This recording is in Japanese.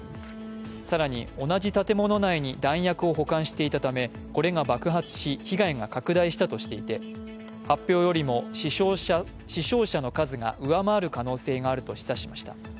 更に、同じ建物内に弾薬を保管していたため、これが爆発し、被害が拡大したとしていて発表よりも死傷者の数が上回る可能性があると示唆しました。